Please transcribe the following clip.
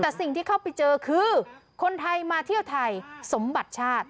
แต่สิ่งที่เข้าไปเจอคือคนไทยมาเที่ยวไทยสมบัติชาติ